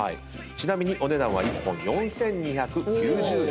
ちなみにお値段は１本４，２９０円。